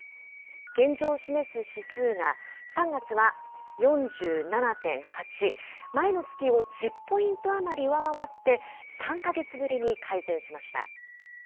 現状を示す指数が、３月は４７．８、前の月を１０ポイント余り上回って、３か月ぶりに改善しました。